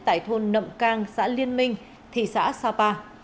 tại thôn nậm cang xã liên minh thị xã sapa